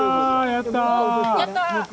やった。